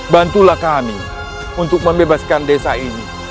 bantulah kami untuk membebaskan desa ini